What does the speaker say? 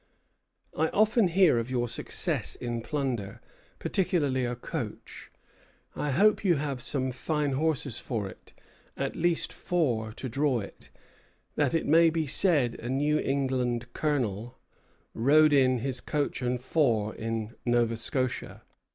"I often hear of your success in plunder, particularly a coach. I hope you have some fine horses for it, at least four, to draw it, that it may be said a New England colonel [rode in] his coach and four in Nova Scotia.